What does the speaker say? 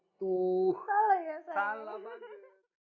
itu salah ya sayang